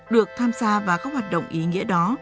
được tham gia và có hoạt động ý nghĩa đó